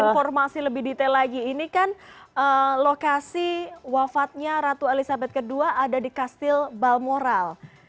informasi lebih detail lagi ini kan lokasi wafatnya ratu elizabeth ii ada di kastil balmoral